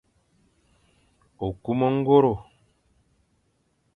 Okum ongoro.